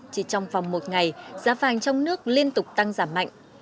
chỉ trong vòng một ngày giá vàng trong nước liên tục tăng giảm mạnh